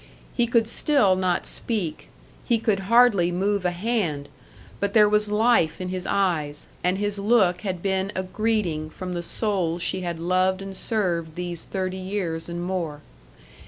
He could still not speak, he could hardly move a hand; but there was life in his eyes, and his look had been a greeting from the soul she had loved and served these thirty years and more.